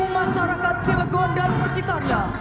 dua ribu masyarakat cilegon dan sekitarnya